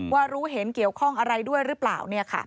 ว่ารู้เห็นเกี่ยวข้องอะไรด้วยหรือเปล่า